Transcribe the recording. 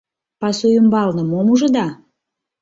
— Пасу ӱмбалне мом ужыда?